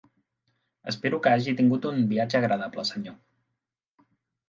Espero que hagi tingut un viatge agradable, senyor.